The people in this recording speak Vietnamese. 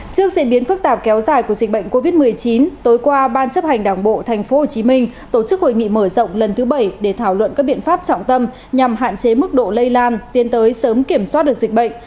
trước diễn biến phức tạp kéo dài của dịch bệnh covid một mươi chín tối qua ban chấp hành đảng bộ tp hcm tổ chức hội nghị mở rộng lần thứ bảy để thảo luận các biện pháp trọng tâm nhằm hạn chế mức độ lây lan tiến tới sớm kiểm soát được dịch bệnh